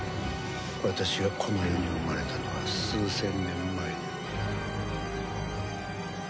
私がこの世に生まれたのは数千年前だ。